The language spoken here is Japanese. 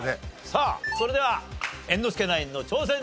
さあそれでは猿之助ナインの挑戦です。